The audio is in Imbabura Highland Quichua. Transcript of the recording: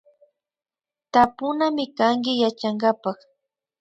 Tapunamikanki Yachankapak